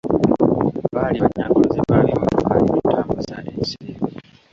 Baali banyaguluzi ba bimotoka ebitambuza ensimbi.